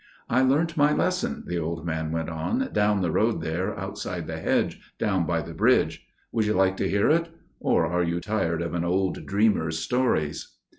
"I learnt my lesson," the old man went on, "down the road there outside the hedge––down by the bridge. Would you like to hear it? Or are you tired of an old dreamer's stories?"